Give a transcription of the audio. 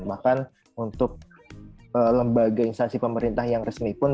bahkan untuk lembaga instansi pemerintah yang resmi pun